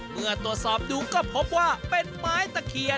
เมื่อตรวจสอบดูก็พบว่าเป็นไม้ตะเคียน